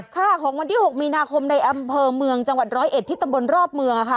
ค่ะของวันที่๖มีนาคมในอำเภอเมืองจังหวัดร้อยเอ็ดที่ตำบลรอบเมืองค่ะ